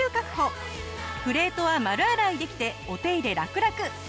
プレートは丸洗いできてお手入れラクラク。